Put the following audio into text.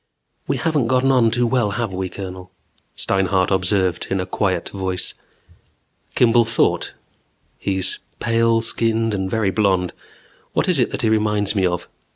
"We haven't gotten on too well, have we, Colonel?" Steinhart observed in a quiet voice. Kimball thought: He's pale skinned and very blond. What is it that he reminds me of?